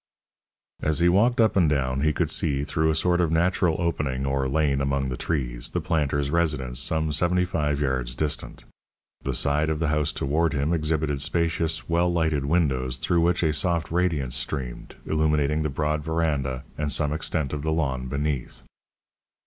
As he walked up and down he could see, through a sort of natural opening or lane among the trees, the planter's residence some seventy five yards distant. The side of the house toward him exhibited spacious, well lighted windows through which a soft radiance streamed, illuminating the broad veranda and some extent of the lawn beneath.